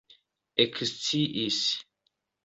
eksciis